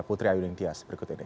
putri ayu ling tias berikut ini